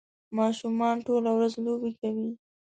ماشومان ټوله ورځ لوبې کوي